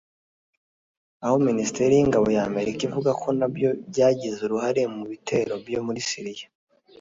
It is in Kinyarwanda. aho Minisiteri y’Ingabo ya Amerika ivuga ko nabyo byagize uruhare mu bitero byo muri Syria